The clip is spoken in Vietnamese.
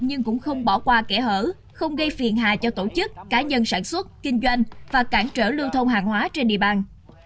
nhưng cũng không bỏ qua kẻ hở không gây phiền hà cho tổ chức cá nhân sản xuất kinh doanh và cản trở lưu thông hàng hóa trên địa bàn